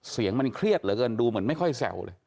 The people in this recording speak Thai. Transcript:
เสียงมันเครียดเหลือเกินดูเหมือนไม่ค่อยแซวเลย